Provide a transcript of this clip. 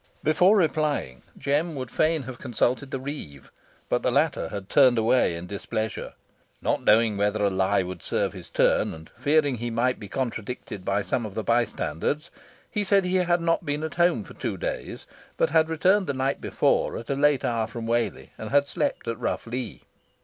Before replying, Jem would fain have consulted the reeve, but the latter had turned away in displeasure. Not knowing whether a lie would serve his turn, and fearing he might be contradicted by some of the bystanders, he said he had not been at home for two days, but had returned the night before at a late hour from Whalley, and had slept at Rough Lee.